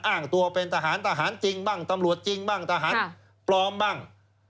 อ้างตัวเป็นทหารทหารจริงบ้างตำรวจจริงบ้างทหารปลอมบ้าง